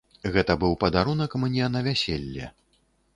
Гэта быў падарунак мне на вяселле.